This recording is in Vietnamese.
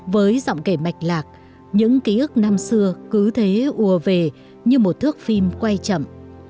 với giọng kể mạch lạc những ký ức năm xưa cứ thế ùa về như một thước phim quay chậm